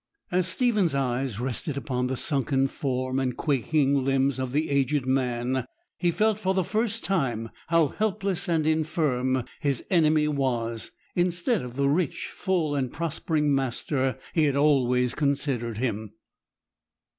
As Stephen's eyes rested upon the sunken form and quaking limbs of the aged man, he felt, for the first time, how helpless and infirm his enemy was, instead of the rich, full, and prospering master he had always considered him.